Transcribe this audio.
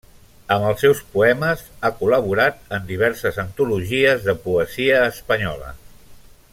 Amb els seus poemes ha col·laborat en diverses antologies de poesia espanyola.